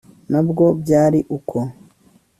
na bwo byari uko